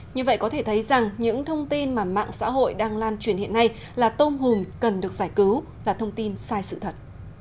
như vậy có thể thấy rằng những thông tin mà mạng xã hội đang lan truyền hiện nay là tôm hùm cần được giải cứu là thông tin sai sự thật